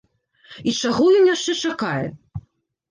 І чаго ён яшчэ чакае?